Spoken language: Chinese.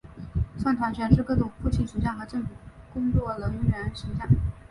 擅长诠释各种父亲形象和政府工作人员形象。